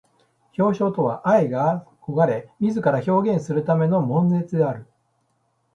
表象とは愛が己れ自ら表現するための煩悶である。